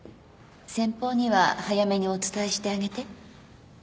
先方には早めにお伝えしてあげて。